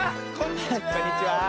こんにちは。